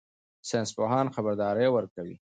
ساینس پوهان خبرداری ورکوي.